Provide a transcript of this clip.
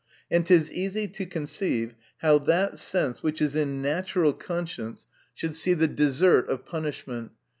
And it is easy to conceive ho'*r that sense which is in natural conscience, should see the desert of punishment, T?